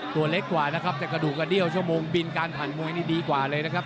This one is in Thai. ตัวเล็กกว่านะครับแต่กระดูกกระเดี้ยวชั่วโมงบินการผ่านมวยนี่ดีกว่าเลยนะครับ